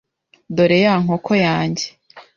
dore ya nkoko yanjye